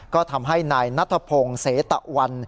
ก็ทำให้นายนัทพงศ์เสตะวัน